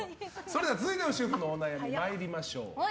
続いての主婦のお悩み参りましょう。